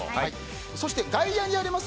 そして、外野にあります